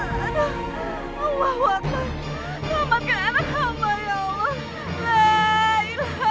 tolong buatkan hamba ya allah